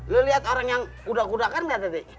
lu lihat orang yang kudakan kudakan nggak tadi